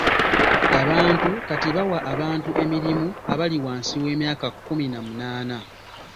Abantu kati bawa abantu emirimu abali wansi w'emyaka kkumi na munaana